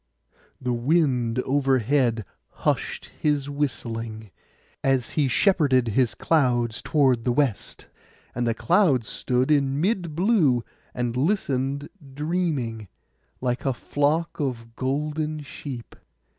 The Wind overhead hushed his whistling, as he shepherded his clouds toward the west; and the clouds stood in mid blue, and listened dreaming, like a flock of golden sheep.